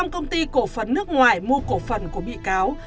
năm công ty cổ phần nước ngoài mua cổ phần của bị cáo